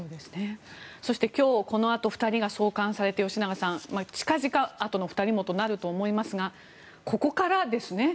そして今日このあと２人が送還されて吉永さん、近々あとの２人もということになりますがここからですね。